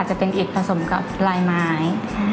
จะเป็นเอกผสมกับลายไม้